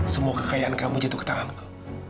semua kekayaan kamu jatuh ke tanganku